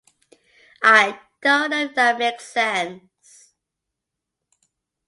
I don't know if that makes sense.